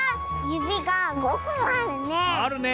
ゆびが５ほんあるね。